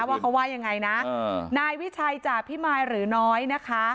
ว่าเขาว่ายังไงนะนายวิชัยจ่าพิมายหรือน้อยนะคะ